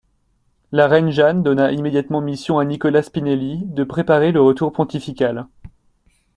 La reine Jeanne donna immédiatement mission à Nicola Spinelli, de préparer le retour pontifical.